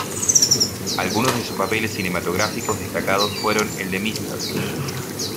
Algunos de sus papeles cinematográficos destacados fueron el de Mr.